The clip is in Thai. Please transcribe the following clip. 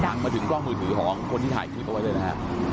มาถึงกล้องมือถือของคนที่ถ่ายคลิปเอาไว้เลยนะฮะ